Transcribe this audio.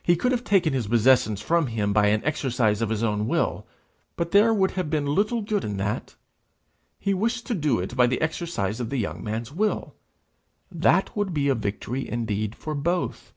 He could have taken his possessions from him by an exercise of his own will, but there would have been little good in that; he wished to do it by the exercise of the young man's will: that would be a victory indeed for both!